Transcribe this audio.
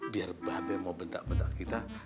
biar babe mau bentak bentak kita